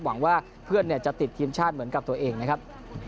หวังว่าเพื่อนจะติดทีมชาติเหมือนกับตัวเองนะครับ